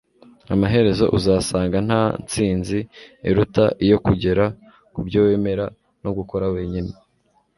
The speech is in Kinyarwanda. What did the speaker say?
Amaherezo, uzasanga nta ntsinzi iruta iyo kugera ku byo wemera no gukora wenyine. ”